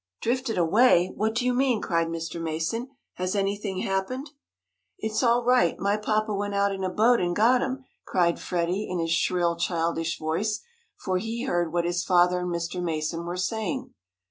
"Drifted away! What do you mean?" cried Mr. Mason. "Has anything happened?" "It's all right, my papa went out in a boat and got 'em!" cried Freddie in his shrill, childish voice, for he heard what his father and Mr. Mason were saying.